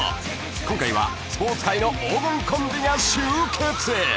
［今回はスポーツ界の黄金コンビが集結］